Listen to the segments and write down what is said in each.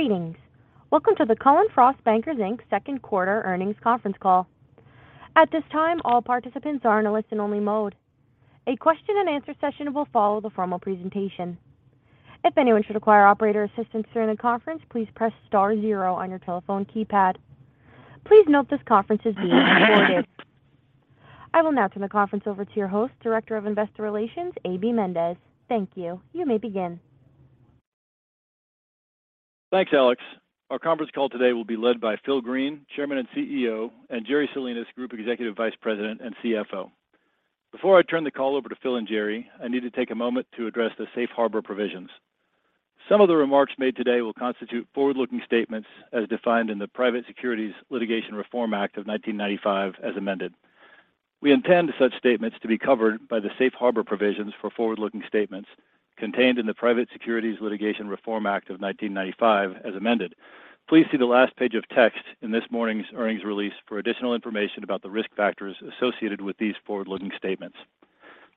Greetings. Welcome to the Cullen/Frost Bankers, Inc. Second Quarter Earnings Conference Call. At this time, all participants are in a listen only mode. A question-and-answer session will follow the formal presentation. If anyone should require operator assistance during the conference, please press star zero on your telephone keypad. Please note this conference is being recorded. I will now turn the conference over to your host, Director of Investor Relations, AB Mendez. Thank you. You may begin. Thanks, Alex. Our conference call today will be led by Phil Green, Chairman and CEO, and Jerry Salinas, Group Executive Vice President and CFO. Before I turn the call over to Phil and Jerry, I need to take a moment to address the safe harbor provisions. Some of the remarks made today will constitute forward-looking statements as defined in the Private Securities Litigation Reform Act of 1995 as amended. We intend such statements to be covered by the safe harbor provisions for forward-looking statements contained in the Private Securities Litigation Reform Act of 1995 as amended. Please see the last page of text in this morning's earnings release for additional information about the risk factors associated with these forward-looking statements.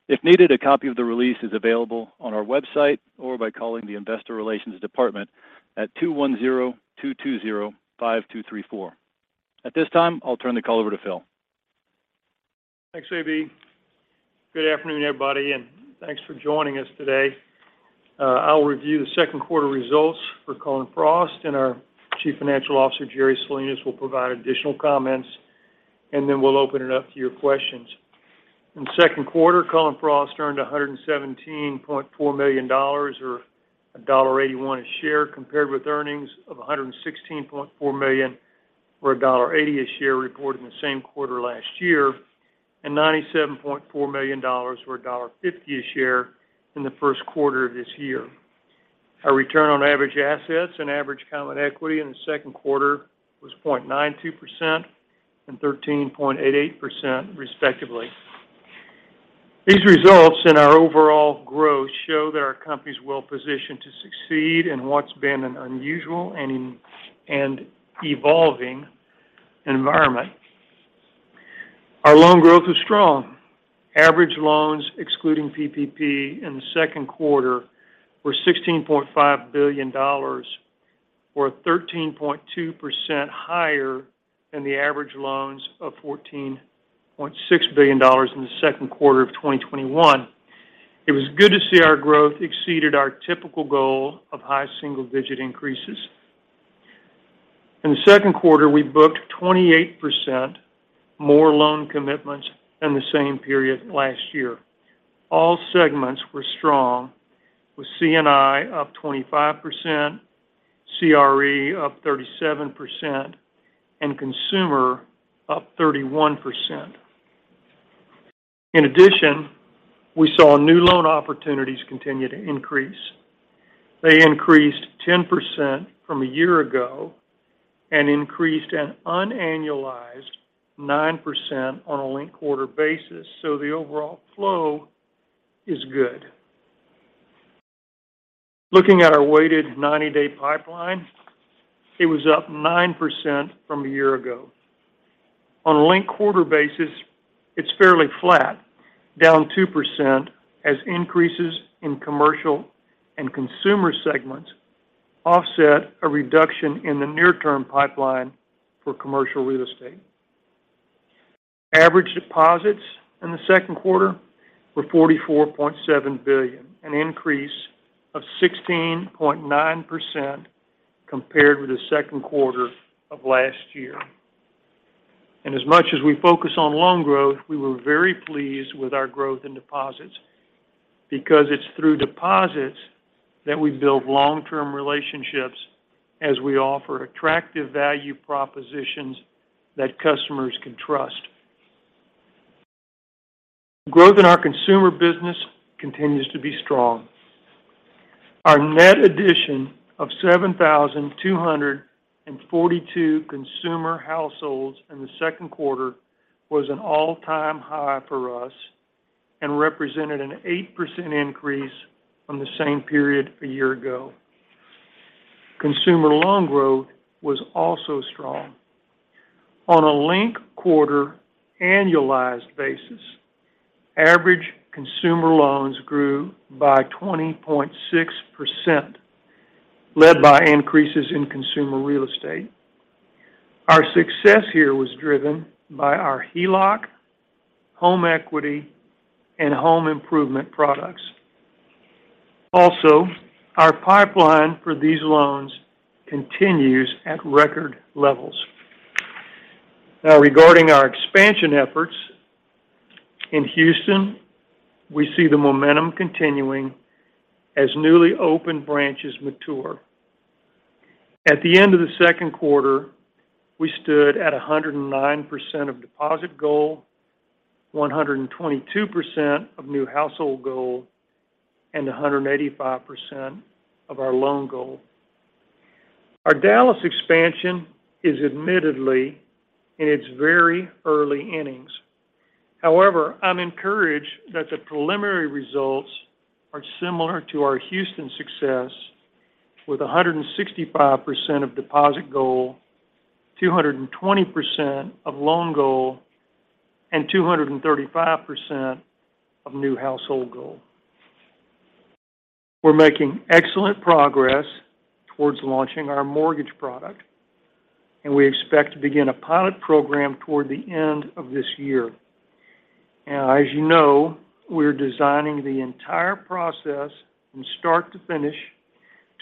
If needed, a copy of the release is available on our website or by calling the investor relations department at 210-220-5234. At this time, I'll turn the call over to Phil. Thanks, AB. Good afternoon, everybody, and thanks for joining us today. I'll review the second quarter results for Cullen/Frost Bankers and our Chief Financial Officer, Jerry Salinas, will provide additional comments, and then we'll open it up to your questions. In the second quarter, Cullen/Frost earned $117.4 million or $1.81 a share compared with earnings of $116.4 million or $1.80 a share reported in the same quarter last year, and $97.4 million or $1.50 a share in the first quarter of this year. Our return on average assets and average common equity in the second quarter was 0.92% and 13.88% respectively. These results in our overall growth show that our company is well-positioned to succeed in what's been an unusual and evolving environment. Our loan growth is strong. Average loans excluding PPP in the second quarter were $16.5 billion or 13.2% higher than the average loans of $14.6 billion in the second quarter of 2021. It was good to see our growth exceeded our typical goal of high single-digit increases. In the second quarter, we booked 28% more loan commitments than the same period last year. All segments were strong, with C&I up 25%, CRE up 37%, and consumer up 31%. In addition, we saw new loan opportunities continue to increase. They increased 10% from a year ago and increased an unannualized 9% on a linked quarter basis, so the overall flow is good. Looking at our weighted 90-day pipeline, it was up 9% from a year ago. On a linked quarter basis, it's fairly flat, down 2% as increases in commercial and consumer segments offset a reduction in the near-term pipeline for commercial real estate. Average deposits in the second quarter were $44.7 billion, an increase of 16.9% compared with the second quarter of last year. As much as we focus on loan growth, we were very pleased with our growth in deposits because it's through deposits that we build long-term relationships as we offer attractive value propositions that customers can trust. Growth in our consumer business continues to be strong. Our net addition of 7,242 consumer households in the second quarter was an all-time high for us and represented an 8% increase from the same period a year ago. Consumer loan growth was also strong. On a linked quarter annualized basis, average consumer loans grew by 20.6%, led by increases in consumer real estate. Our success here was driven by our HELOC, home equity, and home improvement products. Also, our pipeline for these loans continues at record levels. Now, regarding our expansion efforts, in Houston, we see the momentum continuing as newly opened branches mature. At the end of the second quarter, we stood at 109% of deposit goal, 122% of new household goal, and 185% of our loan goal. Our Dallas expansion is admittedly in its very early innings. However, I'm encouraged that the preliminary results are similar to our Houston success with 165% of deposit goal, 220% of loan goal, and 235% of new household goal. We're making excellent progress towards launching our mortgage product, and we expect to begin a pilot program toward the end of this year. As you know, we're designing the entire process from start to finish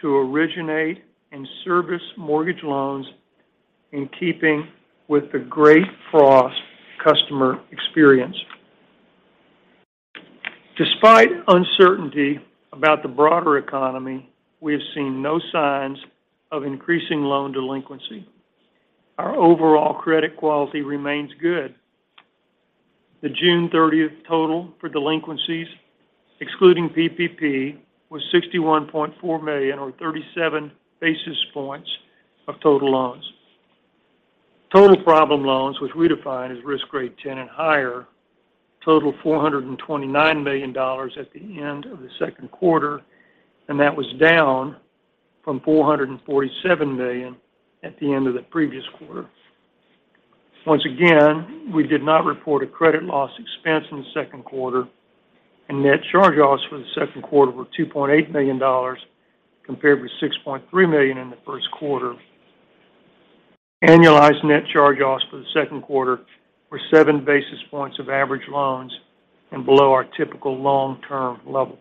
to originate and service mortgage loans in keeping with the great Frost customer experience. Despite uncertainty about the broader economy, we have seen no signs of increasing loan delinquency. Our overall credit quality remains good. The June 30th total for delinquencies, excluding PPP, was $61.4 million or 37 basis points of total loans. Total problem loans, which we define as risk grade ten and higher, totaled $429 million at the end of the second quarter, and that was down from $447 million at the end of the previous quarter. Once again, we did not report a credit loss expense in the second quarter, and net charge-offs for the second quarter were $2.8 million compared with $6.3 million in the first quarter. Annualized net charge-offs for the second quarter were 7 basis points of average loans and below our typical long-term level.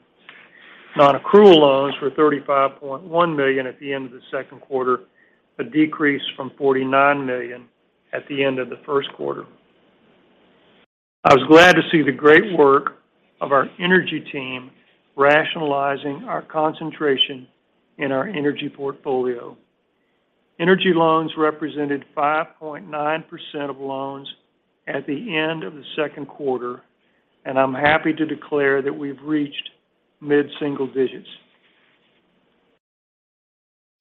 Non-accrual loans were $35.1 million at the end of the second quarter, a decrease from $49 million at the end of the first quarter. I was glad to see the great work of our energy team rationalizing our concentration in our energy portfolio. Energy loans represented 5.9% of loans at the end of the second quarter, and I'm happy to declare that we've reached mid-single digits.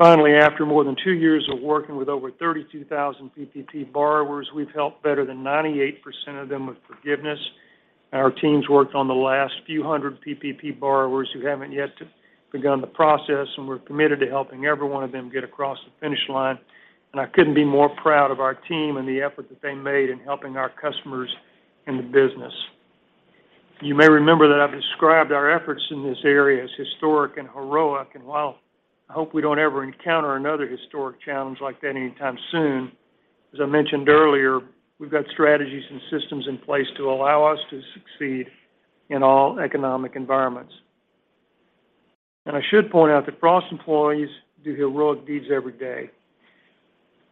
Finally, after more than two years of working with over 32,000 PPP borrowers, we've helped better than 98% of them with forgiveness. Our teams worked on the last few hundred PPP borrowers who haven't yet begun the process, and we're committed to helping every one of them get across the finish line. I couldn't be more proud of our team and the effort that they made in helping our customers in the business. You may remember that I've described our efforts in this area as historic and heroic. While I hope we don't ever encounter another historic challenge like that anytime soon, as I mentioned earlier, we've got strategies and systems in place to allow us to succeed in all economic environments. I should point out that Frost employees do heroic deeds every day.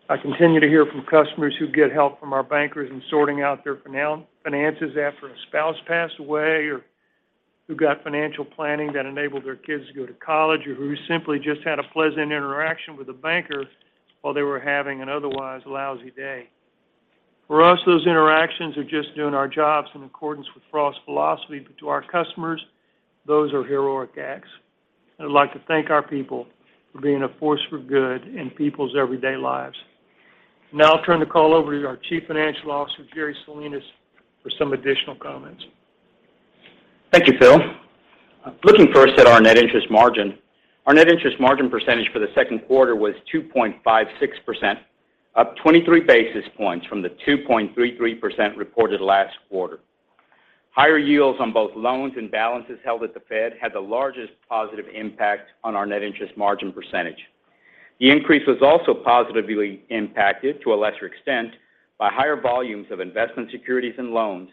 I continue to hear from customers who get help from our bankers in sorting out their finances after a spouse passed away, or who got financial planning that enabled their kids to go to college, or who simply just had a pleasant interaction with a banker while they were having an otherwise lousy day. For us, those interactions are just doing our jobs in accordance with Frost's philosophy, but to our customers, those are heroic acts. I'd like to thank our people for being a force for good in people's everyday lives. Now I'll turn the call over to our Chief Financial Officer, Jerry Salinas, for some additional comments. Thank you, Phil. Looking first at our net interest margin. Our net interest margin percentage for the second quarter was 2.56%, up 23 basis points from the 2.33% reported last quarter. Higher yields on both loans and balances held at the Fed had the largest positive impact on our net interest margin percentage. The increase was also positively impacted, to a lesser extent, by higher volumes of investment securities and loans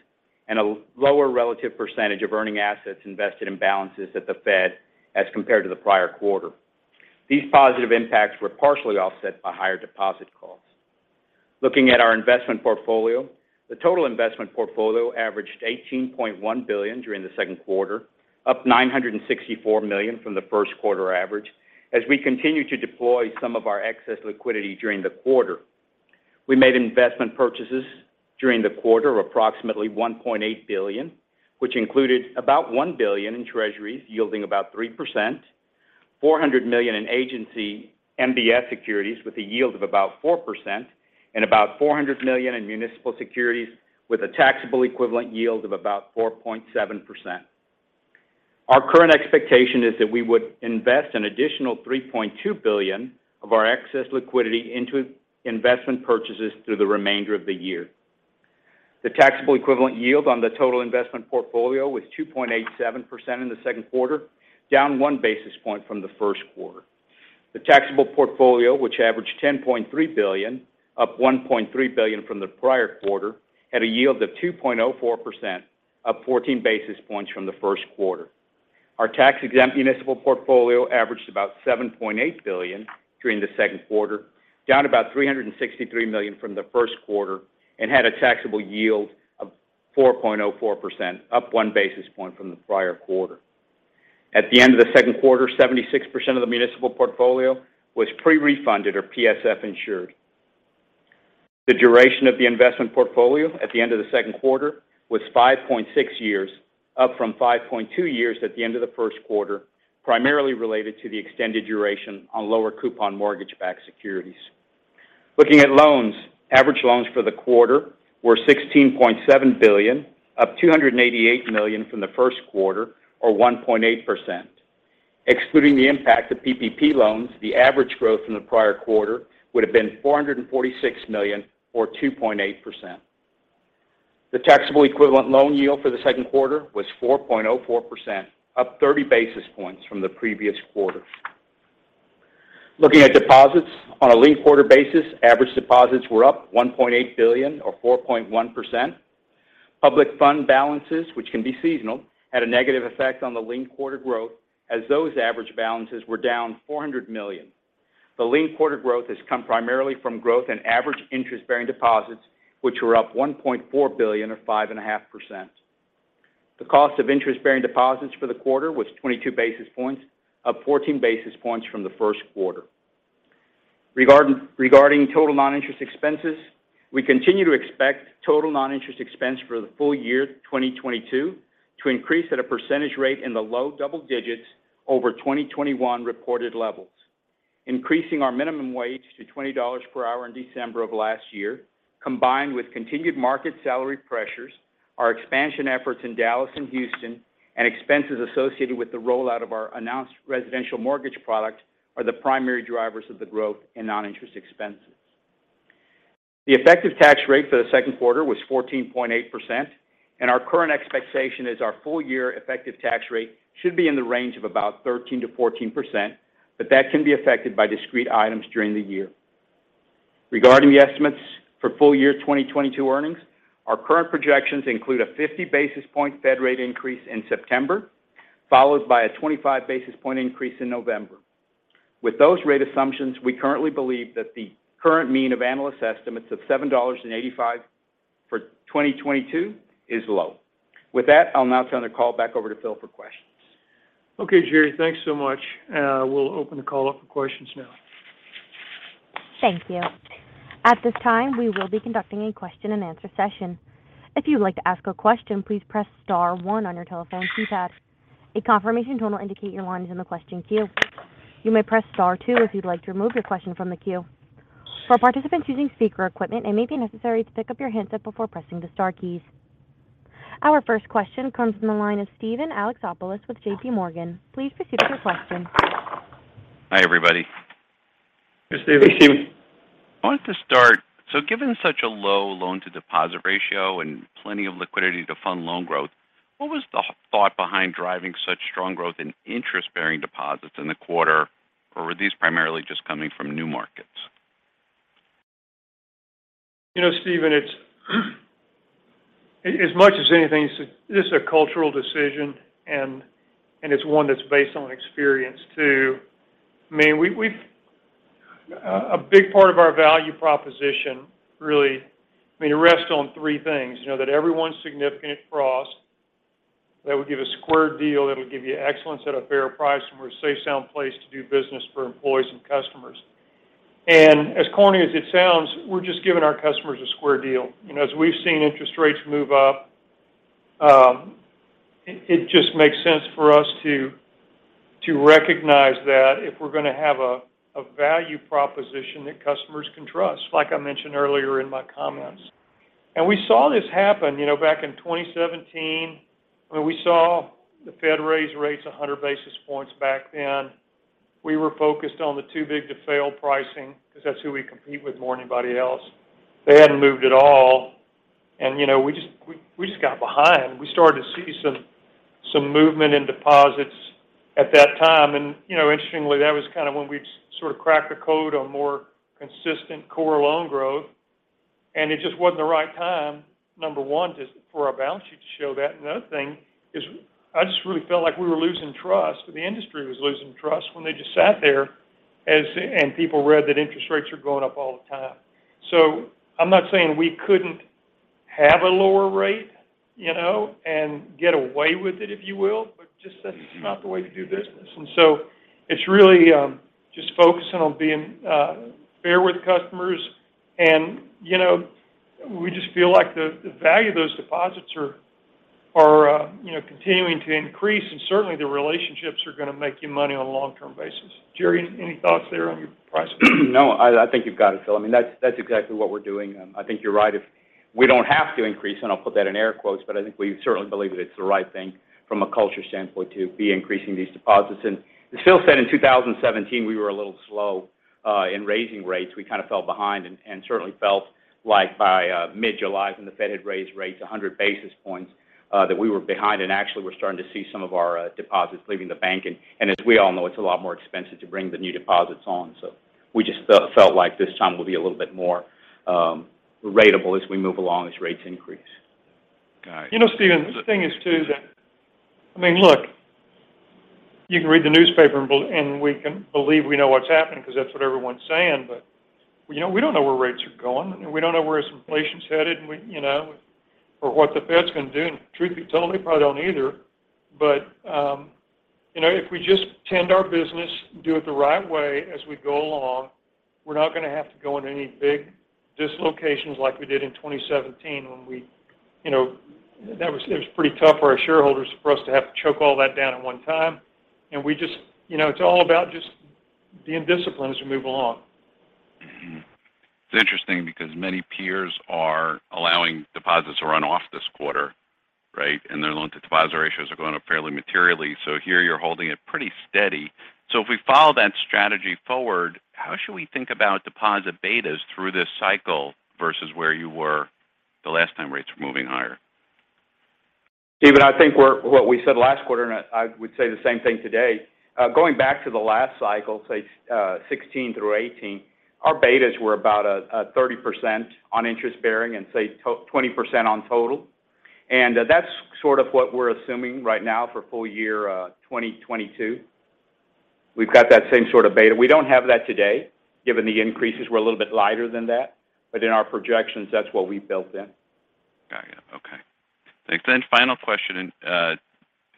and a lower relative percentage of earning assets invested in balances at the Fed as compared to the prior quarter. These positive impacts were partially offset by higher deposit costs. Looking at our investment portfolio. The total investment portfolio averaged $18.1 billion during the second quarter, up $964 million from the first quarter average as we continued to deploy some of our excess liquidity during the quarter. We made investment purchases during the quarter of approximately $1.8 billion, which included about $1 billion in treasuries yielding about 3%, $400 million in agency MBS securities with a yield of about 4%, and about $400 million in municipal securities with a taxable equivalent yield of about 4.7%. Our current expectation is that we would invest an additional $3.2 billion of our excess liquidity into investment purchases through the remainder of the year. The taxable equivalent yield on the total investment portfolio was 2.87% in the second quarter, down 1 basis point from the first quarter. The taxable portfolio, which averaged $10.3 billion, up $1.3 billion from the prior quarter, had a yield of 2.04%, up 14 basis points from the first quarter. Our tax-exempt municipal portfolio averaged about $7.8 billion during the second quarter, down about $363 million from the first quarter, and had a taxable yield of 4.04%, up 1 basis point from the prior quarter. At the end of the second quarter, 76% of the municipal portfolio was pre-refunded or PSF insured. The duration of the investment portfolio at the end of the second quarter was 5.6 years, up from 5.2 years at the end of the first quarter, primarily related to the extended duration on lower coupon mortgage-backed securities. Looking at loans. Average loans for the quarter were $16.7 billion, up $288 million from the first quarter, or 1.8%. Excluding the impact of PPP loans, the average growth from the prior quarter would have been $446 million or 2.8%. The taxable equivalent loan yield for the second quarter was 4.04%, up 30 basis points from the previous quarter. Looking at deposits on a linked-quarter basis, average deposits were up $1.8 billion or 4.1%. Public fund balances, which can be seasonal, had a negative effect on the linked quarter growth as those average balances were down $400 million. The linked quarter growth has come primarily from growth in average interest-bearing deposits, which were up $1.4 billion or 5.5%. The cost of interest-bearing deposits for the quarter was 22 basis points, up 14 basis points from the first quarter. Regarding total non-interest expenses, we continue to expect total non-interest expense for the full year 2022 to increase at a percentage rate in the low double digits over 2021 reported levels. Increasing our minimum wage to $20 per hour in December of last year, combined with continued market salary pressures, our expansion efforts in Dallas and Houston, and expenses associated with the rollout of our announced residential mortgage product are the primary drivers of the growth in non-interest expenses. The effective tax rate for the second quarter was 14.8%, and our current expectation is our full year effective tax rate should be in the range of about 13%-14%, but that can be affected by discrete items during the year. Regarding the estimates for full year 2022 earnings, our current projections include a 50 basis point Fed rate increase in September, followed by a 25 basis point increase in November. With those rate assumptions, we currently believe that the current mean of analyst estimates of $7.85 for 2022 is low. With that, I'll now turn the call back over to Phil for questions. Okay, Jerry. Thanks so much. We'll open the call up for questions now. Thank you. At this time, we will be conducting a question-and-answer session. If you would like to ask a question, please press star one on your telephone keypad. A confirmation tone will indicate your line is in the question queue. You may press star two if you'd like to remove your question from the queue. For participants using speaker equipment, it may be necessary to pick up your handset before pressing the star keys. Our first question comes from the line of Steven Alexopoulos with JPMorgan. Please proceed with your question. Hi, everybody. Hey, Steven. Hey, Steve. I wanted to start. Given such a low loan-to-deposit ratio and plenty of liquidity to fund loan growth, what was the thought behind driving such strong growth in interest-bearing deposits in the quarter, or were these primarily just coming from new markets? You know, Steven, it's as much as anything, it's just a cultural decision, and it's one that's based on experience, too. I mean, a big part of our value proposition really, I mean, it rests on three things. You know that everyone's significant for us. That we give a square deal, that we give you excellence at a fair price, and we're a safe, sound place to do business for employees and customers. As corny as it sounds, we're just giving our customers a square deal. You know, as we've seen interest rates move up, it just makes sense for us to recognize that if we're gonna have a value proposition that customers can trust, like I mentioned earlier in my comments. We saw this happen, you know, back in 2017 when we saw the Fed raise rates 100 basis points back then. We were focused on the too-big-to-fail pricing because that's who we compete with more than anybody else. They hadn't moved at all and, you know, we just got behind. We started to see some movement in deposits at that time. You know, interestingly, that was kind of when we sort of cracked the code on more consistent core loan growth. It just wasn't the right time, number one, just for our balance sheet to show that. Another thing is I just really felt like we were losing trust, or the industry was losing trust when they just sat there and people read that interest rates are going up all the time. I'm not saying we couldn't have a lower rate, you know, and get away with it, if you will, but just that's not the way to do business. It's really just focusing on being fair with customers. You know, we just feel like the value of those deposits are, you know, continuing to increase, and certainly, the relationships are gonna make you money on a long-term basis. Jerry, any thoughts there on your pricing? No, I think you've got it, Phil. I mean, that's exactly what we're doing. I think you're right. If we don't have to increase, and I'll put that in air quotes, but I think we certainly believe that it's the right thing from a culture standpoint to be increasing these deposits. As Phil said, in 2017, we were a little slow in raising rates. We kind of fell behind and certainly felt like by mid-July when the Fed had raised rates 100 basis points, that we were behind and actually were starting to see some of our deposits leaving the bank. As we all know, it's a lot more expensive to bring the new deposits on. We just felt like this time will be a little bit more ratable as we move along as rates increase. Got it. You know, Steven, the thing is too that, I mean, look, you can read the newspaper and we can believe we know what's happening because that's what everyone's saying. You know, we don't know where rates are going, and we don't know where inflation's headed and we, you know, or what the Fed's gonna do. Truth be told, they probably don't either. You know, if we just tend our business and do it the right way as we go along, we're not gonna have to go into any big dislocations like we did in 2017 when we, you know. It was pretty tough for our shareholders for us to have to choke all that down at one time. We just, you know, it's all about just being disciplined as we move along. It's interesting because many peers are allowing deposits to run off this quarter, right? Their loan to depositor ratios are going up fairly materially. Here you're holding it pretty steady. If we follow that strategy forward, how should we think about deposit betas through this cycle versus where you were the last time rates were moving higher? Steven, I think we're what we said last quarter, and I would say the same thing today. Going back to the last cycle, say, 2016 through 2018, our betas were about a 30% on interest-bearing and, say, 20% on total. That's sort of what we're assuming right now for full year, 2022. We've got that same sort of beta. We don't have that today. Given the increases, we're a little bit lighter than that. In our projections, that's what we've built in. Got it. Okay. Thanks. Final question, and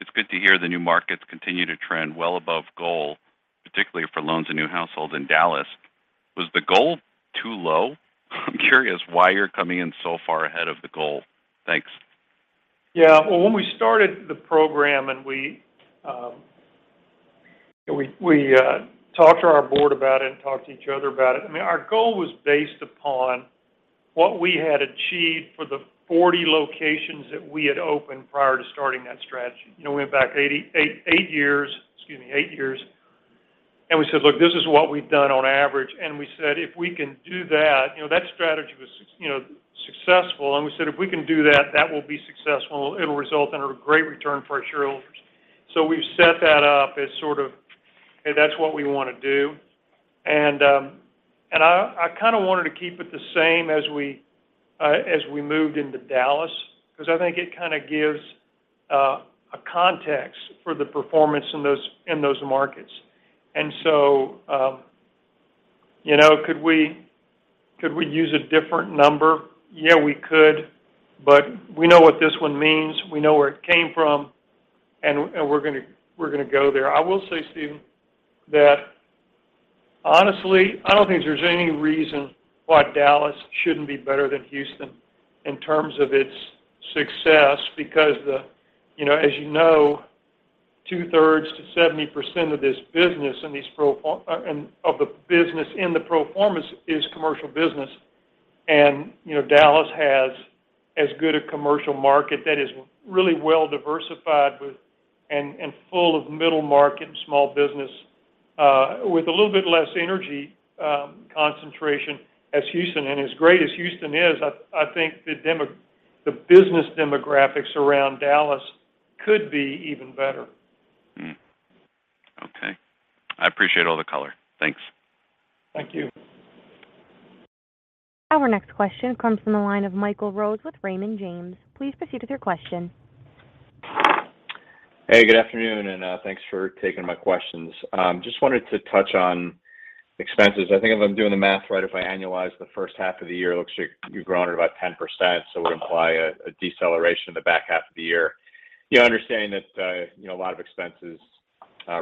it's good to hear the new markets continue to trend well above goal, particularly for loans to new households in Dallas. Was the goal too low? I'm curious why you're coming in so far ahead of the goal. Thanks. Yeah. Well, when we started the program and we talked to our board about it and talked to each other about it, I mean, our goal was based upon what we had achieved for the 40 locations that we had opened prior to starting that strategy. You know, we went back eight years, and we said, "Look, this is what we've done on average." We said, if we can do that, you know, that strategy was successful, and we said, "If we can do that will be successful. It'll result in a great return for our shareholders." We've set that up as sort of, hey, that's what we want to do. I kind of wanted to keep it the same as we moved into Dallas, because I think it kind of gives a context for the performance in those markets. You know, could we use a different number? Yeah, we could, but we know what this one means. We know where it came from, and we're gonna go there. I will say, Steven, that honestly, I don't think there's any reason why Dallas shouldn't be better than Houston in terms of its success because, you know, as you know, 2/3 to 70% of this business and these proformas and of the business in the proformas is commercial business. You know, Dallas has as good a commercial market that is really well diversified and full of middle market and small business with a little bit less energy concentration as Houston. As great as Houston is, I think the business demographics around Dallas could be even better. Okay. I appreciate all the color. Thanks. Thank you. Our next question comes from the line of Michael Rose with Raymond James. Please proceed with your question. Hey, good afternoon, and thanks for taking my questions. Just wanted to touch on expenses. I think if I'm doing the math right, if I annualize the first half of the year, it looks like you've grown at about 10%, so it would imply a deceleration in the back half of the year. You understand that you know a lot of expenses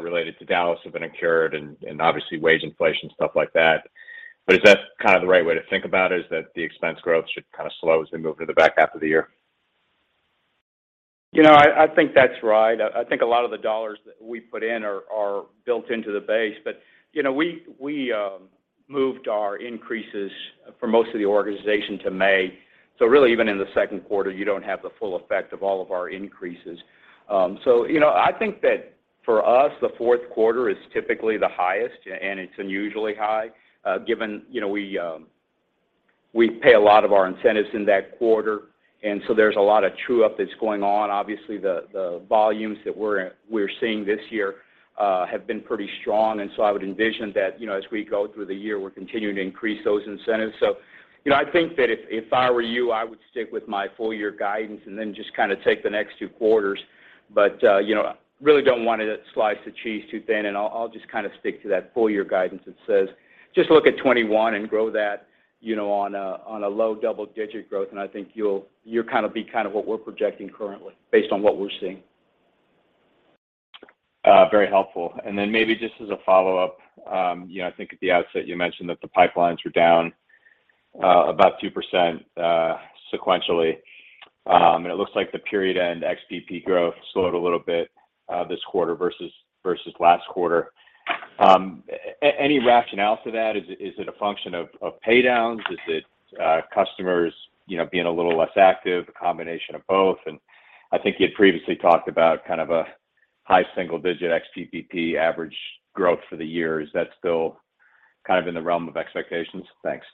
related to Dallas have been incurred and obviously wage inflation, stuff like that. But is that kind of the right way to think about it, is that the expense growth should kind of slow as we move to the back half of the year? You know, I think that's right. I think a lot of the dollars that we put in are built into the base. You know, we moved our increases for most of the organization to May. Really, even in the second quarter, you don't have the full effect of all of our increases. You know, I think that for us, the fourth quarter is typically the highest, and it's unusually high, given, you know, we pay a lot of our incentives in that quarter. There's a lot of true up that's going on. Obviously, the volumes that we're seeing this year have been pretty strong. I would envision that, you know, as we go through the year, we're continuing to increase those incentives. You know, I think that if I were you, I would stick with my full year guidance and then just kind of take the next two quarters. You know, really don't want to slice the cheese too thin. I'll just kind of stick to that full year guidance that says, just look at 2021 and grow that, you know, on a low double-digit growth. I think you'll kind of be kind of what we're projecting currently based on what we're seeing. Very helpful. Then maybe just as a follow-up, you know, I think at the outset you mentioned that the pipelines were down about 2%, sequentially. It looks like the period-end ex-PPP growth slowed a little bit this quarter versus last quarter. Any rationale to that? Is it a function of paydowns? Is it customers, you know, being a little less active, a combination of both? I think you'd previously talked about kind of a high single-digit ex-PPP average growth for the year. Is that still kind of in the realm of expectations? Thanks.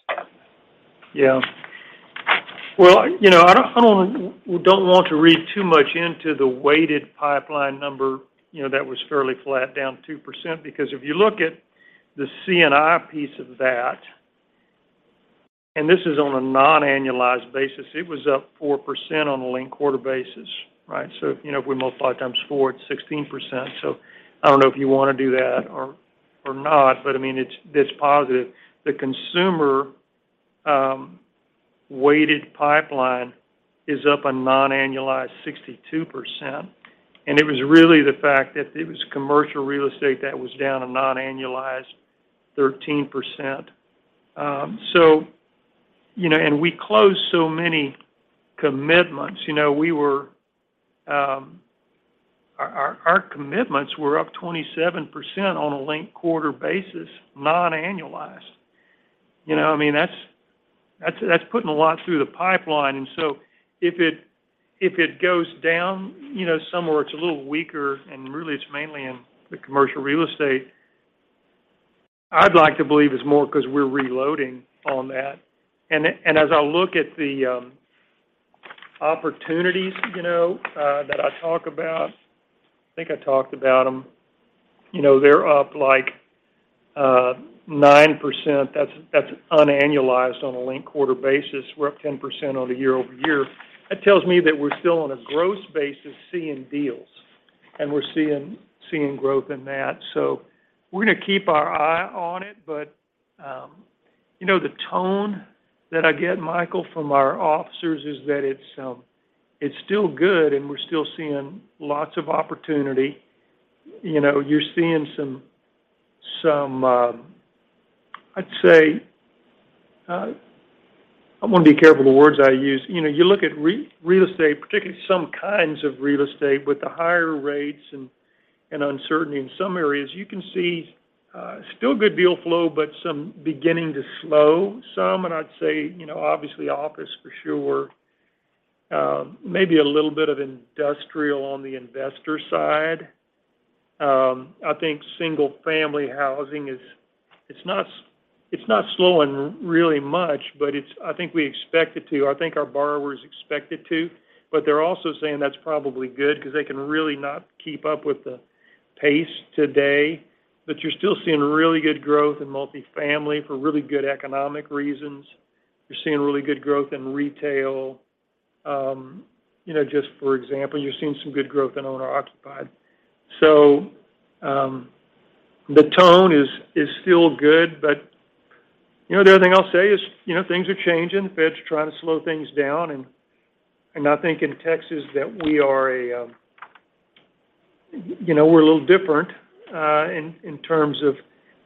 Yeah. Well, you know, I don't want to read too much into the weighted pipeline number, you know, that was fairly flat down 2% because if you look at the C&I piece of that, and this is on a non-annualized basis, it was up 4% on a linked quarter basis, right? So, you know, if we multiply times four, it's 16%. So I don't know if you want to do that or not, but I mean, it's positive. The consumer weighted pipeline is up a non-annualized 62%. It was really the fact that it was commercial real estate that was down a non-annualized 13%. So, you know, we closed so many commitments. You know, our commitments were up 27% on a linked quarter basis, non-annualized. You know, I mean, that's putting a lot through the pipeline. If it goes down, you know, somewhere, it's a little weaker, and really it's mainly in the commercial real estate. I'd like to believe it's more because we're reloading on that. As I look at the opportunities, you know, that I talk about, I think I talked about them. You know, they're up like 9%. That's unannualized on a linked quarter basis. We're up 10% on a year-over-year. That tells me that we're still on a gross basis seeing deals, and we're seeing growth in that. So we're gonna keep our eye on it. You know, the tone that I get, Michael, from our officers is that it's still good, and we're still seeing lots of opportunity. You know, you're seeing some. I'd say, I wanna be careful the words I use. You know, you look at real estate, particularly some kinds of real estate with the higher rates and uncertainty in some areas, you can see still good deal flow, but some beginning to slow. I'd say, you know, obviously office for sure, maybe a little bit of industrial on the investor side. I think single family housing is, it's not slowing really much, but I think we expect it to. I think our borrowers expect it to, but they're also saying that's probably good because they can't really keep up with the pace today. You're still seeing really good growth in multifamily for really good economic reasons. You're seeing really good growth in retail. You know, just for example, you're seeing some good growth in owner-occupied. The tone is still good. You know, the other thing I'll say is, you know, things are changing. The Fed's trying to slow things down. I think in Texas that we are, you know, we're a little different, in terms of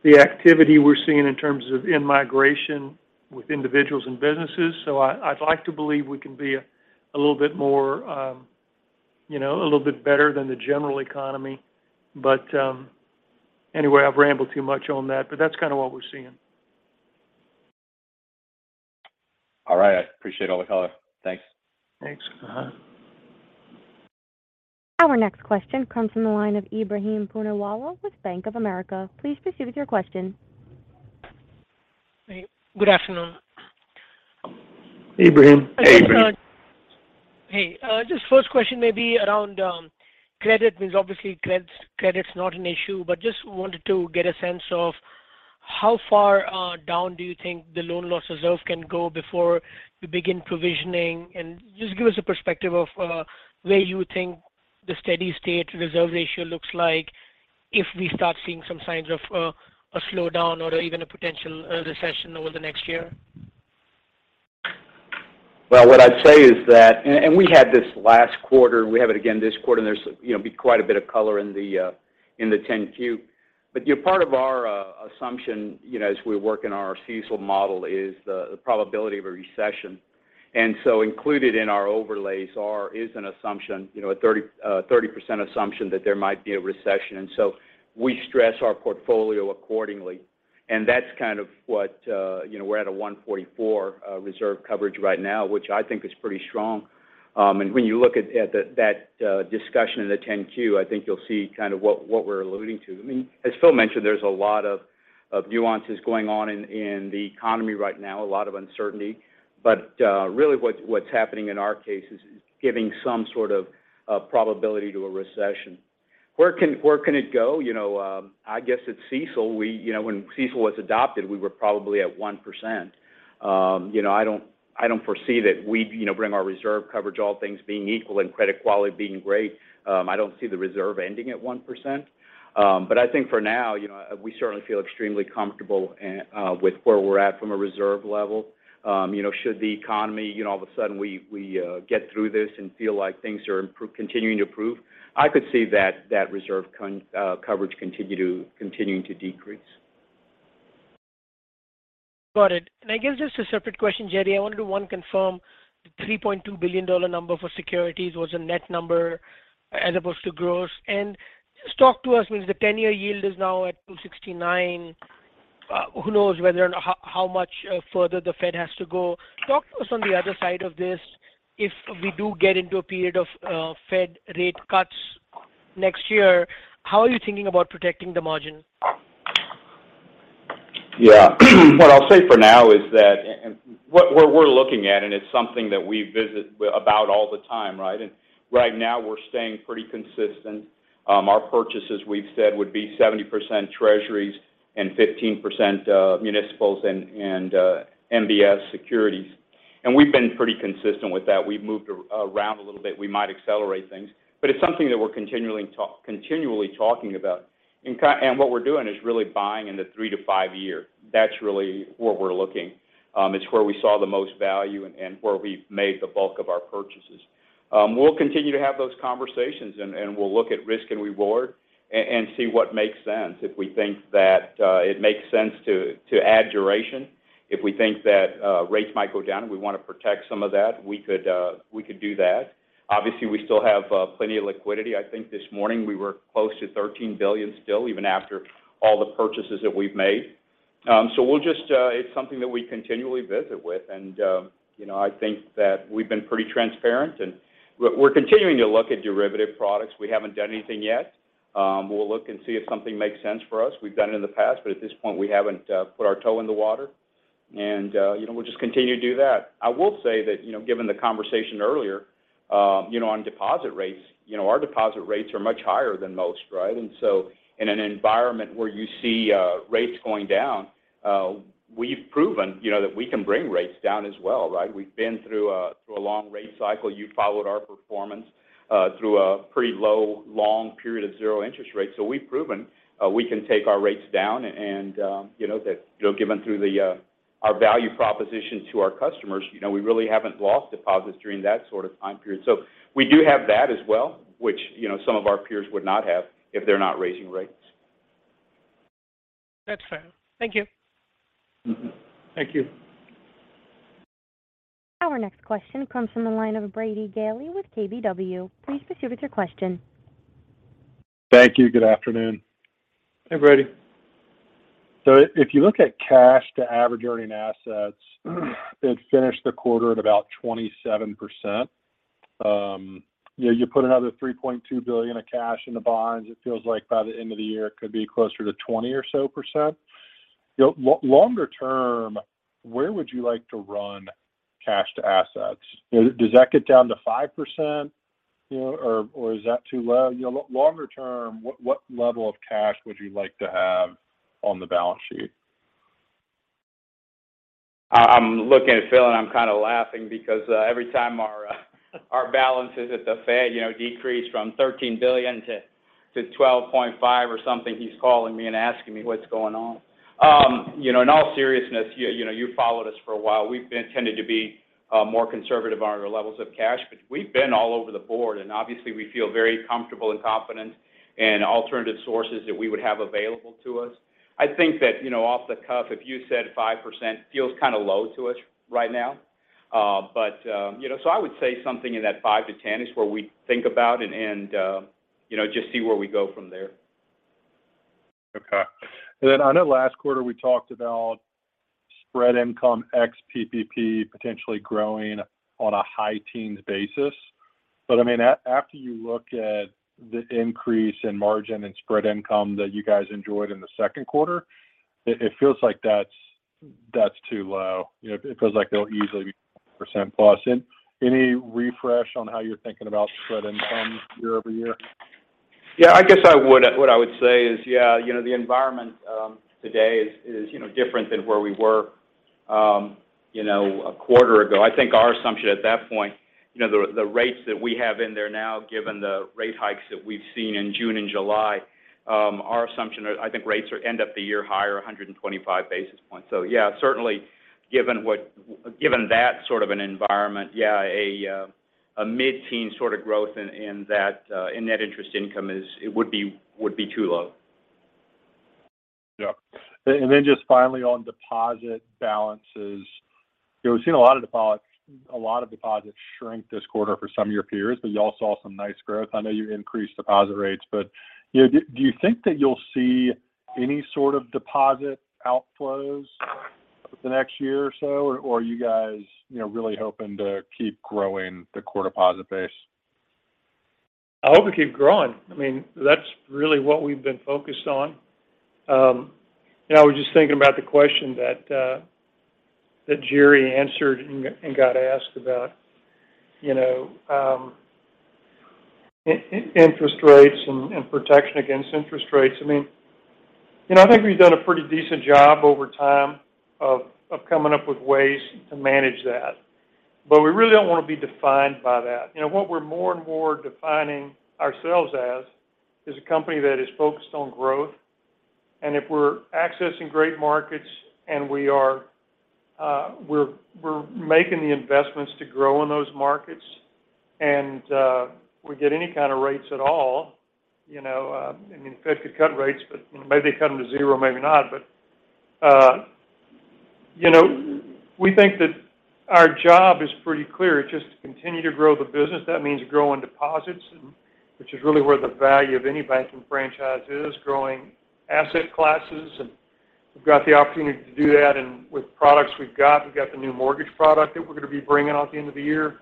the activity we're seeing in terms of in-migration with individuals and businesses. I'd like to believe we can be a little bit more, you know, a little bit better than the general economy. Anyway, I've rambled too much on that, but that's kind of what we're seeing. All right. I appreciate all the color. Thanks. Thanks. Our next question comes from the line of Ebrahim Poonawala with Bank of America. Please proceed with your question. Hey, good afternoon. Ebrahim. Hey, Ebrahim. Hey. Just first question maybe around credit. Meaning obviously credit's not an issue, but just wanted to get a sense of how far down do you think the loan loss reserve can go before we begin provisioning? Just give us a perspective of where you think the steady-state reserve ratio looks like if we start seeing some signs of a slowdown or even a potential recession over the next year. Well, what I'd say is that we had this last quarter and we have it again this quarter, and there'll be quite a bit of color in the 10-Q. Yeah, part of our assumption, you know, as we work in our CECL model is the probability of a recession. Included in our overlays is an assumption, you know, a 30% assumption that there might be a recession. We stress our portfolio accordingly. That's kind of what, you know, we're at a 144 reserve coverage right now, which I think is pretty strong. When you look at that discussion in the 10-Q, I think you'll see kind of what we're alluding to. I mean, as Phil mentioned, there's a lot of nuances going on in the economy right now, a lot of uncertainty. Really what's happening in our case is giving some sort of probability to a recession. Where can it go? You know, I guess at CECL, when CECL was adopted, we were probably at 1%. You know, I don't foresee that we'd, you know, bring our reserve coverage, all things being equal and credit quality being great. I don't see the reserve ending at 1%. I think for now, you know, we certainly feel extremely comfortable with where we're at from a reserve level. You know, should the economy, you know, all of a sudden we get through this and feel like things are continuing to improve, I could see that reserve coverage continuing to decrease. Got it. I guess just a separate question, Jerry. I wanted to, one, confirm the $3.2 billion number for securities was a net number as opposed to gross. Just talk to us, because the 10-year yield is now at 2.69%. Who knows how much further the Fed has to go. Talk to us on the other side of this. If we do get into a period of Fed rate cuts next year, how are you thinking about protecting the margin? Yeah. What I'll say for now is that and what we're looking at, and it's something that we visit about all the time, right? Right now we're staying pretty consistent. Our purchases, we've said, would be 70% Treasuries and 15% municipals and MBS securities. We've been pretty consistent with that. We've moved around a little bit. We might accelerate things. It's something that we're continually talking about. What we're doing is really buying in the 3-5 year. That's really where we're looking. It's where we saw the most value and where we've made the bulk of our purchases. We'll continue to have those conversations and we'll look at risk and reward and see what makes sense. If we think that rates might go down and we want to protect some of that, we could do that. Obviously, we still have plenty of liquidity. I think this morning we were close to $13 billion still, even after all the purchases that we've made. It's something that we continually visit with and, you know, I think that we've been pretty transparent and we're continuing to look at derivative products. We haven't done anything yet. We'll look and see if something makes sense for us. We've done it in the past, but at this point, we haven't put our toe in the water and, you know, we'll just continue to do that. I will say that, you know, given the conversation earlier, you know, on deposit rates, you know, our deposit rates are much higher than most, right? In an environment where you see rates going down, we've proven, you know, that we can bring rates down as well, right? We've been through a long rate cycle. You followed our performance through a pretty low, long period of zero interest rates. We've proven we can take our rates down and, you know, that, you know, given our value proposition to our customers, you know, we really haven't lost deposits during that sort of time period. We do have that as well, which, you know, some of our peers would not have if they're not raising rates. That's fair. Thank you. Mm-hmm. Thank you. Our next question comes from the line of Brady Gailey with KBW. Please proceed with your question. Thank you. Good afternoon. Hey, Brady. If you look at cash to average earning assets, it finished the quarter at about 27%. You know, you put another $3.2 billion of cash into bonds, it feels like by the end of the year it could be closer to 20% or so. You know, longer term, where would you like to run cash to assets? You know, does that get down to 5%, you know, or is that too low? You know, longer term, what level of cash would you like to have on the balance sheet? I'm looking at Phil and I'm kind of laughing because every time our balances at the Fed, you know, decrease from $13 billion-$12.5 billion or something, he's calling me and asking me what's going on. You know, in all seriousness, you know, you've followed us for a while. We've tended to be more conservative on our levels of cash, but we've been all over the board and obviously we feel very comfortable and confident in alternative sources that we would have available to us. I think that, you know, off the cuff, if you said 5% feels kind of low to us right now. But you know, I would say something in that 5%-10% is where we think about and, you know, just see where we go from there. Okay. I know last quarter we talked about spread income ex-PPP potentially growing on a high teens basis. I mean, after you look at the increase in margin and spread income that you guys enjoyed in the second quarter, it feels like that's too low. You know, it feels like they'll easily be 20%+. Any refresh on how you're thinking about spread income year-over-year? Yeah, what I would say is, yeah, you know, the environment today is, you know, different than where we were, you know, a quarter ago. I think our assumption at that point, you know, the rates that we have in there now, given the rate hikes that we've seen in June and July, our assumption, I think rates end of the year higher 125 basis points. Yeah, certainly given that sort of an environment, yeah, a mid-teen sort of growth in that in net interest income would be too low. Yeah. Just finally on deposit balances. You know, we've seen a lot of deposits shrink this quarter for some of your peers, but y'all saw some nice growth. I know you increased deposit rates, but you know, do you think that you'll see any sort of deposit outflows the next year or so, or are you guys, you know, really hoping to keep growing the core deposit base? I hope we keep growing. I mean, that's really what we've been focused on. You know, I was just thinking about the question that Jerry answered and got asked about, you know, interest rates and protection against interest rates. I mean, you know, I think we've done a pretty decent job over time of coming up with ways to manage that. But we really don't want to be defined by that. You know, what we're more and more defining ourselves as is a company that is focused on growth. If we're accessing great markets and we are, we're making the investments to grow in those markets and we get any kind of rates at all, you know, I mean, Fed could cut rates, but maybe they cut them to zero, maybe not. You know, we think that our job is pretty clear. It's just to continue to grow the business. That means growing deposits, which is really where the value of any banking franchise is, growing asset classes. We've got the opportunity to do that. With products we've got, we've got the new mortgage product that we're going to be bringing out at the end of the year.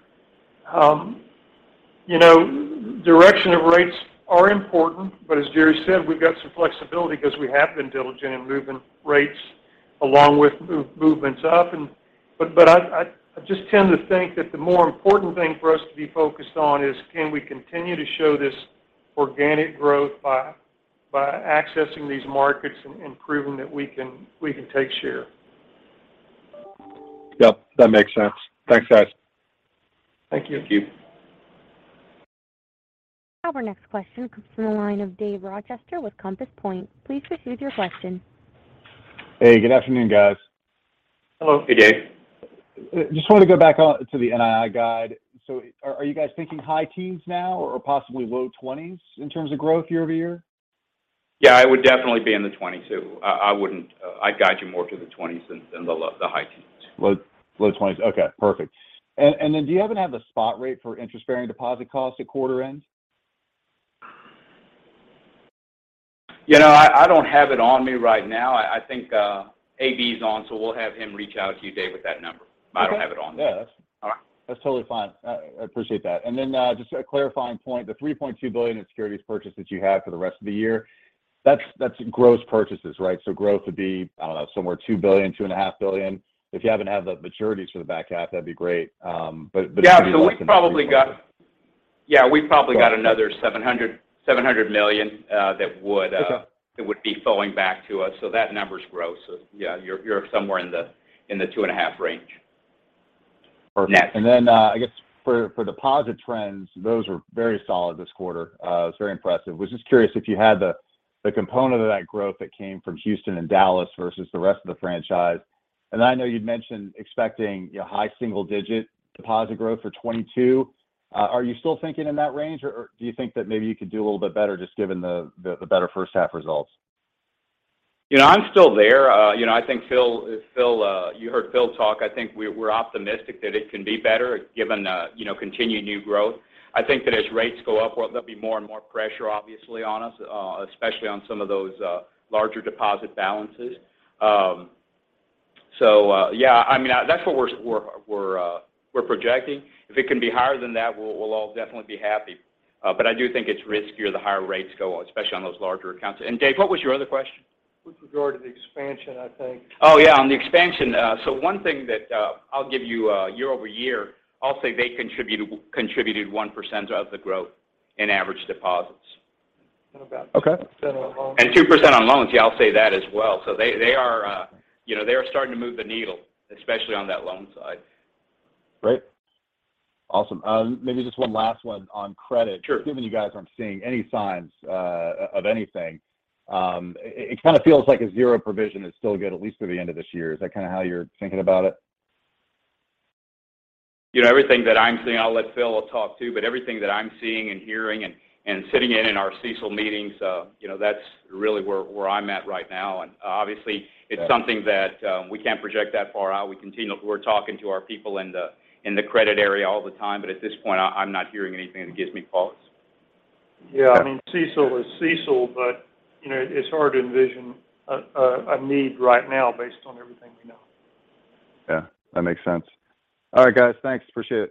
You know, direction of rates are important, but as Jerry said, we've got some flexibility because we have been diligent in moving rates along with movements up. But I just tend to think that the more important thing for us to be focused on is can we continue to show this organic growth by accessing these markets and proving that we can take share. Yep, that makes sense. Thanks, guys. Thank you. Thank you. Our next question comes from the line of Dave Rochester with Compass Point. Please proceed with your question. Hey, good afternoon, guys. Hello. Hey, Dave. Just wanted to go back on to the NII guide. Are you guys thinking high-teens now or possibly low 20s in terms of growth year-over-year? Yeah, it would definitely be in the 22. I'd guide you more to the 20s than the low, the high teens. Low 20s. Okay, perfect. Do you happen to have the spot rate for interest-bearing deposit costs at quarter end? You know, I don't have it on me right now. I think AB's on, so we'll have him reach out to you, Dave, with that number. Okay. I don't have it on me. Yeah. All right. That's totally fine. I appreciate that. Just a clarifying point, the $3.2 billion in securities purchase that you have for the rest of the year, that's gross purchases, right? Growth would be, I don't know, somewhere $2 billion-$2.5 billion. If you happen to have the maturities for the back half, that'd be great. We probably got another $700 million that would Okay. That would be flowing back to us. That number's gross. Yeah, you're somewhere in the 2.5 range. Perfect. Yeah. I guess for deposit trends, those were very solid this quarter. It was very impressive. Was just curious if you had the component of that growth that came from Houston and Dallas versus the rest of the franchise. I know you'd mentioned expecting, you know, high single digit deposit growth for 2022. Are you still thinking in that range? Or do you think that maybe you could do a little bit better just given the better first half results? You know, I'm still there. You know, I think Phil, you heard Phil talk. I think we're optimistic that it can be better given, you know, continued new growth. I think that as rates go up, there'll be more and more pressure obviously on us, especially on some of those larger deposit balances. So, yeah, I mean, that's what we're projecting. If it can be higher than that, we'll all definitely be happy. But I do think it's riskier the higher rates go, especially on those larger accounts. Dave, what was your other question? With regard to the expansion, I think. Oh, yeah, on the expansion. One thing that I'll give you year-over-year, I'll say they contributed 1% of the growth in average deposits. And about- Okay. 2% on loans. 2% on loans. Yeah, I'll say that as well. They are starting to move the needle, especially on that loan side. Great. Awesome. Maybe just one last one on credit. Sure. Given you guys aren't seeing any signs of anything, it kind of feels like a zero provision is still good, at least through the end of this year. Is that kind of how you're thinking about it? You know, everything that I'm seeing. I'll let Phil talk too, but everything that I'm seeing and hearing and sitting in our CECL meetings, you know, that's really where I'm at right now. Obviously. Got it. It's something that we can't project that far out. We're talking to our people in the credit area all the time. At this point, I'm not hearing anything that gives me pause. Yeah. I mean, CECL is CECL, but, you know, it's hard to envision a need right now based on everything we know. Yeah, that makes sense. All right, guys. Thanks. Appreciate it.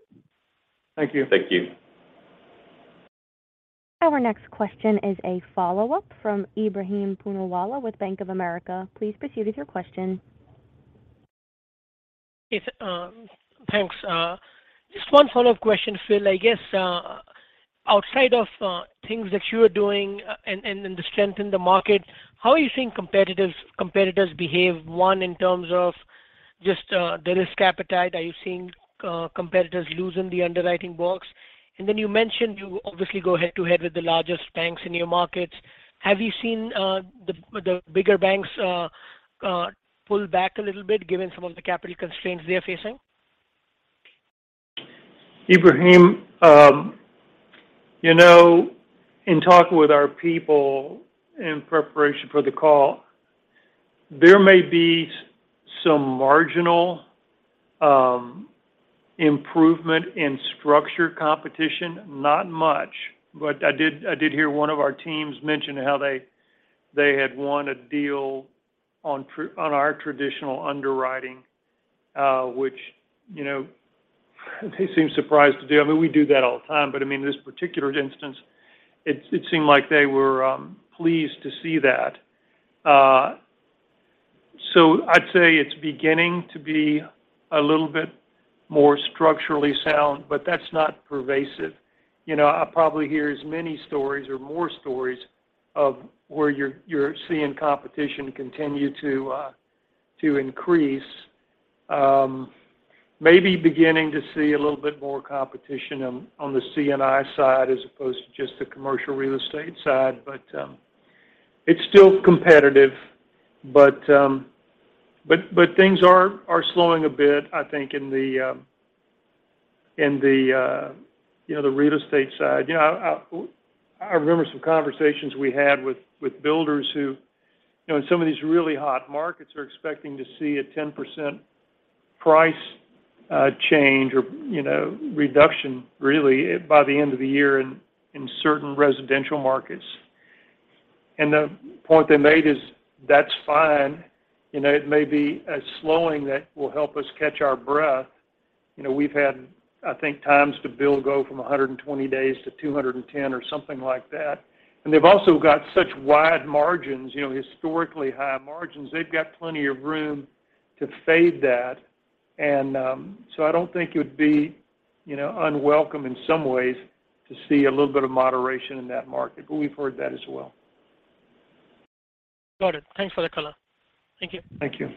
Thank you. Thank you. Our next question is a follow-up from Ebrahim Poonawala with Bank of America. Please proceed with your question. Yes, thanks. Just one follow-up question, Phil. I guess, outside of things that you are doing and to strengthen the market, how are you seeing competitors behave, one, in terms of just the risk appetite? Are you seeing competitors loosen the underwriting box? And then you mentioned you obviously go head-to-head with the largest banks in your markets. Have you seen the bigger banks pull back a little bit given some of the capital constraints they're facing? Ebrahim, you know, in talking with our people in preparation for the call, there may be some marginal improvement in structured competition, not much. I did hear one of our teams mention how they had won a deal on our traditional underwriting, which, you know, they seem surprised to do. I mean, we do that all the time, but I mean, this particular instance, it seemed like they were pleased to see that. So I'd say it's beginning to be a little bit more structurally sound, but that's not pervasive. You know, I probably hear as many stories or more stories of where you're seeing competition continue to increase. Maybe beginning to see a little bit more competition on the C&I side as opposed to just the commercial real estate side. It's still competitive. Things are slowing a bit, I think, in the, you know, the real estate side. You know, I remember some conversations we had with builders who, you know, in some of these really hot markets are expecting to see a 10% price change or, you know, reduction really by the end of the year in certain residential markets. The point they made is that's fine. You know, it may be a slowing that will help us catch our breath. You know, we've had, I think, times to build go from 120-210 days or something like that. They've also got such wide margins, you know, historically high margins. They've got plenty of room to fade that. I don't think it would be, you know, unwelcome in some ways to see a little bit of moderation in that market. We've heard that as well. Got it. Thanks for the color. Thank you. Thank you.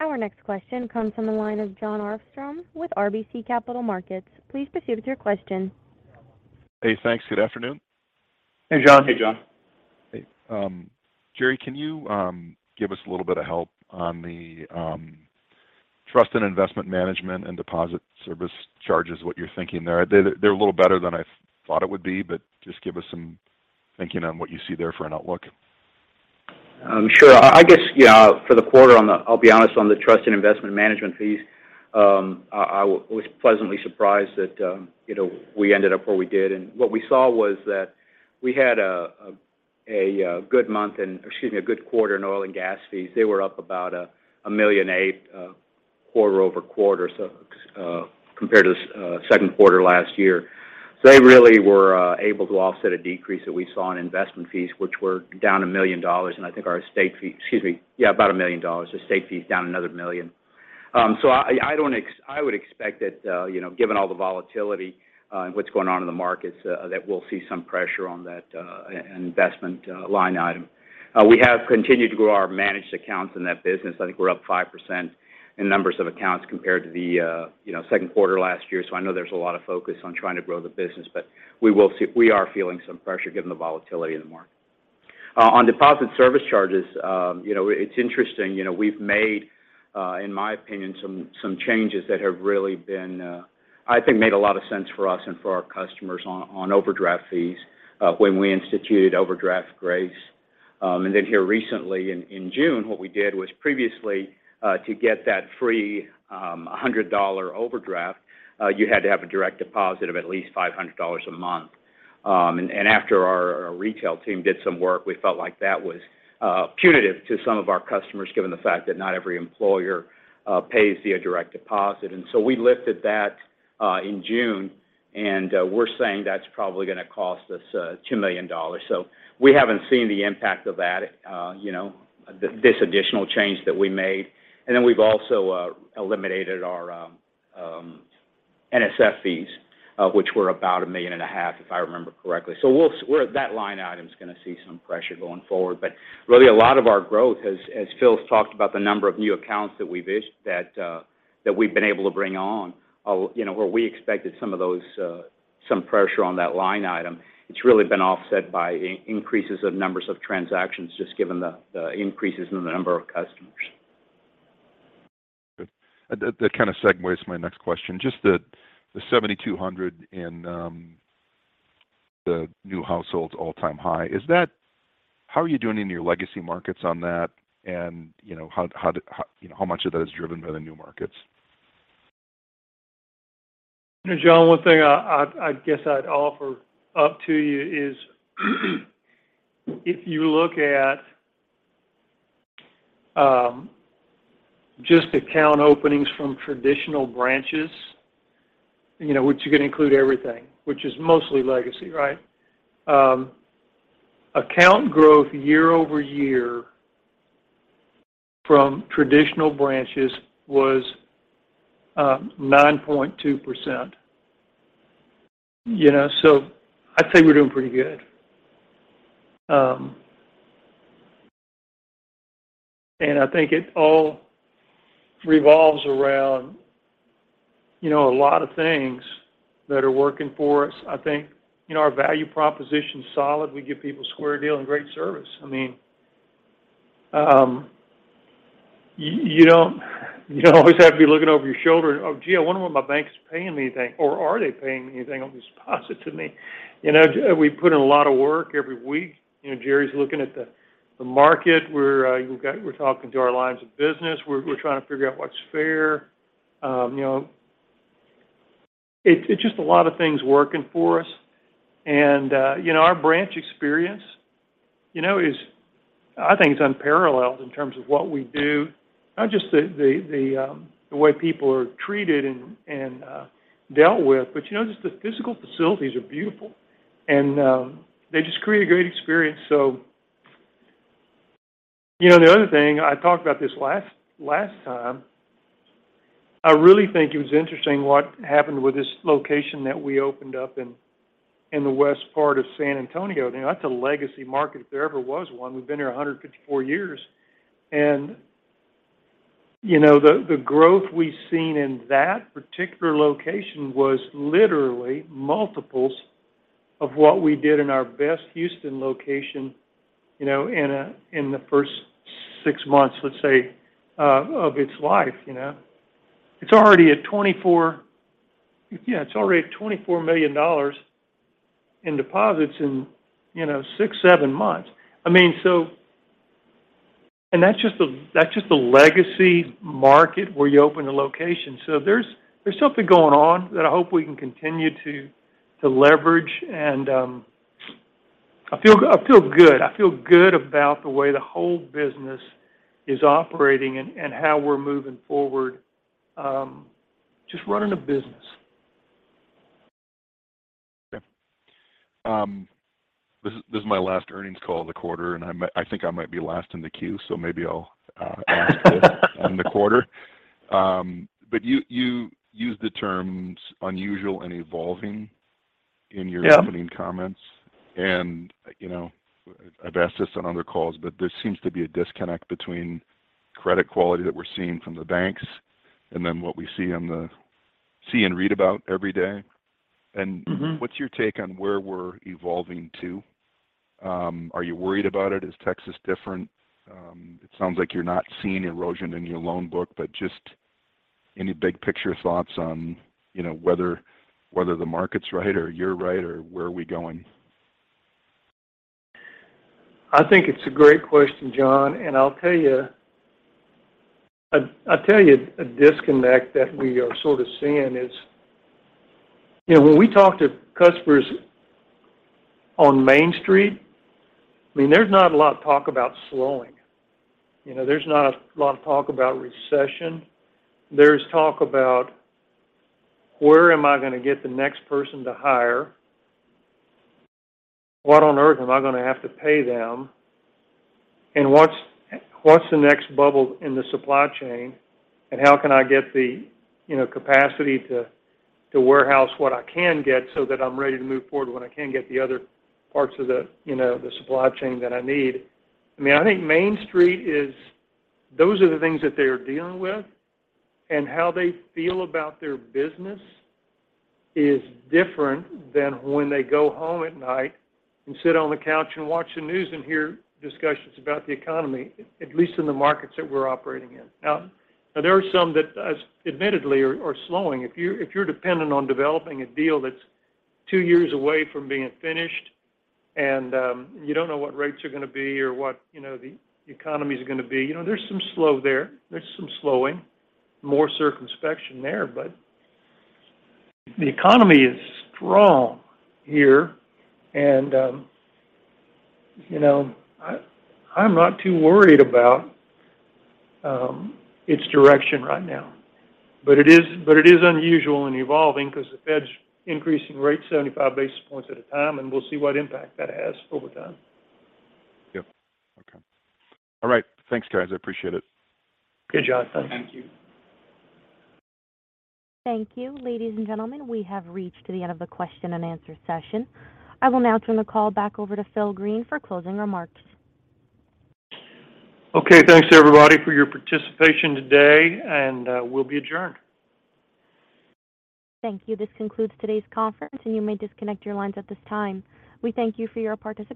Our next question comes from the line of Jon Arfstrom with RBC Capital Markets. Please proceed with your question. Hey, thanks. Good afternoon. Hey, Jon. Hey, Jon. Hey. Jerry, can you give us a little bit of help on the Trust and Investment Management and deposit service charges? What you're thinking there. They're a little better than I thought it would be, but just give us some thinking on what you see there for an outlook. Sure. I guess, yeah, for the quarter on the Trust and Investment Management fees, I was pleasantly surprised that, you know, we ended up where we did. What we saw was that we had a good quarter in oil and gas fees. They were up about $1.8 million quarter-over-quarter, compared to second quarter last year. They really were able to offset a decrease that we saw in investment fees, which were down $1 million. I think our estate fee, excuse me. Yeah, about $1 million. Estate fee is down another $1 million. I would expect that, you know, given all the volatility and what's going on in the markets, that we'll see some pressure on that investment line item. We have continued to grow our managed accounts in that business. I think we're up 5% in numbers of accounts compared to the second quarter last year. I know there's a lot of focus on trying to grow the business, but we will see. We are feeling some pressure given the volatility in the market. On deposit service charges, you know, it's interesting. You know, we've made, in my opinion, some changes that have really been, I think made a lot of sense for us and for our customers on overdraft fees, when we instituted overdraft grace. Here recently in June, what we did was previously, to get that free $100 overdraft, you had to have a direct deposit of at least $500 a month. After our retail team did some work, we felt like that was punitive to some of our customers, given the fact that not every employer pays via direct deposit. We lifted that in June, and we're saying that's probably going to cost us $2 million. We haven't seen the impact of that, you know, this additional change that we made. We've also eliminated our NSF fees, which were about $1.5 million, if I remember correctly. That line item is going to see some pressure going forward. Really a lot of our growth, as Phil's talked about the number of new accounts that we've been able to bring on, you know, where we expected some of those some pressure on that line item, it's really been offset by increases of numbers of transactions just given the increases in the number of customers. Good. That kind of segues to my next question. Just the 7,200 in the new households all-time high. Is that how are you doing in your legacy markets on that? You know, how much of that is driven by the new markets? Jon, one thing I guess I'd offer up to you is if you look at just account openings from traditional branches, you know, which you can include everything, which is mostly legacy, right? Account growth year-over-year from traditional branches was 9.2%. You know? I'd say we're doing pretty good. I think it all revolves around, you know, a lot of things that are working for us. I think, you know, our value proposition is solid. We give people a square deal and great service. I mean, you don't always have to be looking over your shoulder. Oh, gee, I wonder what my bank's paying me, or are they paying me anything on this deposit to me? You know, we put in a lot of work every week. You know, Jerry's looking at the market. We're talking to our lines of business. We're trying to figure out what's fair. You know, it's just a lot of things working for us. You know, our branch experience, you know, is unparalleled in terms of what we do. Not just the way people are treated and dealt with, but you know, just the physical facilities are beautiful. They just create a great experience. You know, the other thing, I talked about this last time, I really think it was interesting what happened with this location that we opened up in the west part of San Antonio. You know, that's a legacy market if there ever was one. We've been here 154 years. You know, the growth we've seen in that particular location was literally multiples of what we did in our best Houston location, you know, in the first six months, let's say, of its life, you know. It's already at $24 million in deposits in, you know, 6-7 months. I mean, that's just the legacy market where you open a location. There's something going on that I hope we can continue to leverage. I feel good about the way the whole business is operating and how we're moving forward, just running a business. Okay. This is my last earnings call of the quarter, and I think I might be last in the queue, so maybe I'll ask this one on the quarter. You used the terms unusual and evolving in your- Yeah... opening comments. You know, I've asked this on other calls, but there seems to be a disconnect between credit quality that we're seeing from the banks and then what we see and read about every day. Mm-hmm What's your take on where we're evolving to? Are you worried about it? Is Texas different? It sounds like you're not seeing erosion in your loan book, but just any big picture thoughts on, you know, whether the market's right or you're right or where are we going? I think it's a great question, Jon, and I'll tell you. I tell you a disconnect that we are sort of seeing is, you know, when we talk to customers on Main Street, I mean, there's not a lot of talk about slowing. You know, there's not a lot of talk about recession. There's talk about, "Where am I gonna get the next person to hire? What on earth am I gonna have to pay them? And what's the next bubble in the supply chain, and how can I get the, you know, capacity to warehouse what I can get so that I'm ready to move forward when I can get the other parts of the, you know, the supply chain that I need?" I mean, I think Main Street is. Those are the things that they are dealing with, and how they feel about their business is different than when they go home at night and sit on the couch and watch the news and hear discussions about the economy, at least in the markets that we're operating in. Now there are some that admittedly are slowing. If you're dependent on developing a deal that's two years away from being finished and you don't know what rates are gonna be or what you know the economy is gonna be. You know, there's some slow there. There's some slowing. More circumspection there, but the economy is strong here and you know, I'm not too worried about its direction right now. It is unusual and evolving 'cause the Fed's increasing rates 75 basis points at a time, and we'll see what impact that has over time. Yep. Okay. All right. Thanks, guys. I appreciate it. Okay, Jon. Thank you. Thank you. Ladies and gentlemen, we have reached the end of the question and answer session. I will now turn the call back over to Phil Green for closing remarks. Okay. Thanks everybody for your participation today, and we'll be adjourned. Thank you. This concludes today's conference, and you may disconnect your lines at this time. We thank you for your participation.